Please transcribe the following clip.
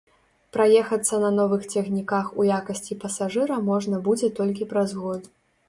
Праехацца на новых цягніках у якасці пасажыра можна будзе толькі праз год.